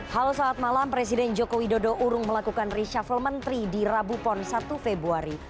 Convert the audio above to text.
halo saat malam presiden joko widodo urung melakukan reshuffle menteri di rabu pon satu februari